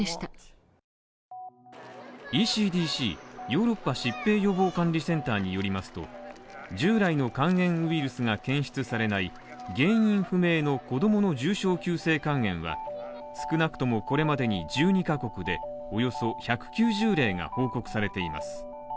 ＥＣＤＣ＝ヨーロッパ疾病予防管理センターによりますと従来の肝炎ウイルスが検出されない原因不明の子供の重症急性肝炎は、少なくともこれまでに１２カ国でおよそ１９０例が報告されています。